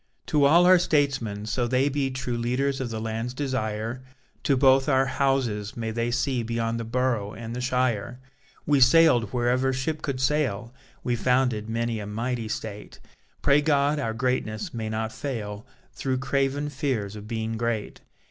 To all our statesmen so they be True leaders of the land's desire! To both our Houses, may they see Beyond the borough and the shire! We sail'd wherever ship could sail, We founded many a mighty state; Pray God our greatness may not fail Through craven fears of being great.